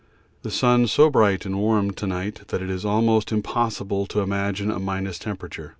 The sun so bright and warm to night that it is almost impossible to imagine a minus temperature.